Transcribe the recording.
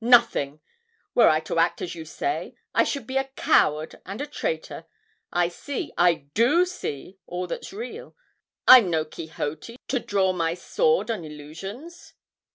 nothing. Were I to act as you say, I should be a coward and a traitor. I see, I do see, all that's real. I'm no Quixote, to draw my sword on illusions.'